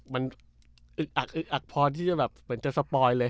มันอึกอักอึกอักพอที่จะแบบเหมือนจะสปอยเลย